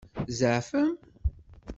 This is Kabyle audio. Tzeɛfem?